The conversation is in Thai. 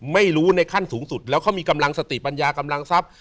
ในขั้นสูงสุดแล้วเขามีกำลังสติปัญญากำลังทรัพย์